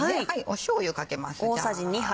しょうゆかけますジャ。